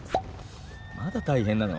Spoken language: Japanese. まだ大変なの？